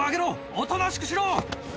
おとなしくしろ！